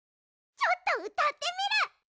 ちょっとうたってみる！